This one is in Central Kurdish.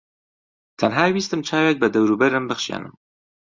تەنها ویستم چاوێک بە دەوروبەرم بخشێنم.